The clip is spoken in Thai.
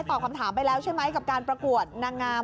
ตอบคำถามไปแล้วใช่ไหมกับการประกวดนางงาม